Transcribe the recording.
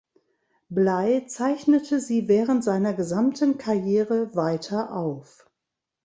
Bley zeichnete sie während seiner gesamten Karriere weiter auf.